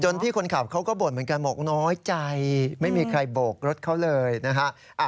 พี่คนขับเขาก็บ่นเหมือนกันบอกน้อยใจไม่มีใครโบกรถเขาเลยนะฮะ